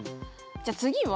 じゃあ次は。